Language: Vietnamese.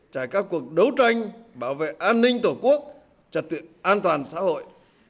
trải các cuộc đấu tranh bảo vệ an ninh tổ quốc trật tự an toàn xã hội